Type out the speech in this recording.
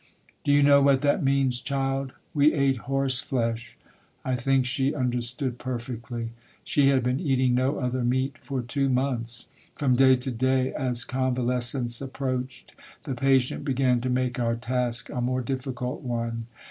'"Do you know what that means, child? We ate horse flesh !' I think she understood perfectly. She had been eating no other meat for two months. From day to day, as convalescence approached, the patient began to make our task a more difficult one.